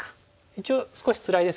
一応少しつらいですけどね